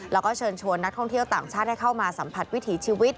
แล้วก็เชิญชวนนักท่องเที่ยวต่างชาติให้เข้ามาสัมผัสวิถีชีวิต